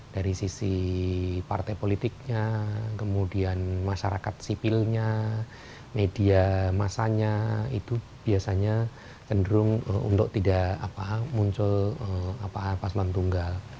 dari sisi partai politiknya kemudian masyarakat sipilnya media masanya itu biasanya cenderung untuk tidak muncul paslon tunggal